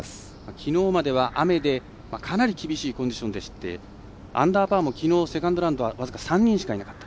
きのうまでは雨でかなり厳しいコンディションでアンダーパーも僅か３人しかいなかった。